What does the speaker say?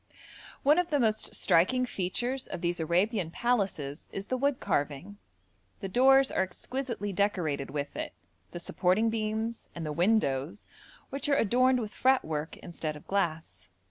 One of the most striking features of these Arabian palaces is the wood carving. The doors are exquisitely decorated with it, the supporting beams, and the windows, which are adorned with fretwork instead of glass.